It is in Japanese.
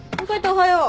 おはよう。